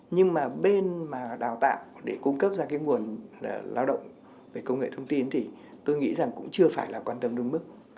nhưng mà bên mà đào tạo để cung cấp ra cái nguồn lao động về công nghệ thông tin thì tôi nghĩ rằng cũng chưa phải là quan tâm đúng mức